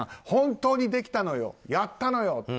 本当にできたのよ、やったのよ！